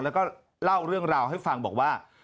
แล้วก็เล่าเรื่องราวให้ฟังบอกว่า